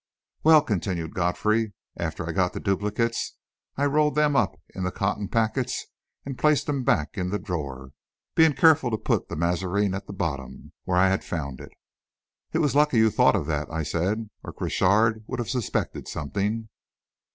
"Well," continued Godfrey, "after I got the duplicates, I rolled them up in the cotton packets, and placed them back in the drawer, being careful to put the Mazarin at the bottom, where I had found it." "It was lucky you thought of that," I said, "or Crochard would have suspected something."